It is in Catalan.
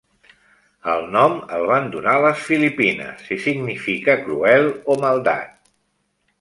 El nom el van donar les Filipines i significa cruel o maldat.